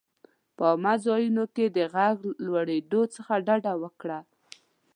په عامه ځایونو کې د غږ لوړېدو څخه ډډه وکړه.